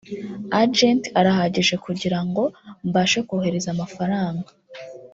Agent arahagije kugira ngo mbashe kohereza amafaranga